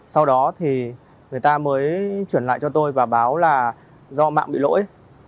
sau đó thì người ta mới chuyển lại cho tôi và báo là do mạng bị lỗi